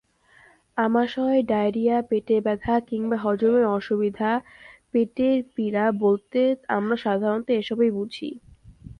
আমাশয়, diarrhoea, পেটের ব্যথা কিংবা হজমের অসুবিধা—পেটের পীড়া বলতে আমরা সাধারণত এসবই বুঝি।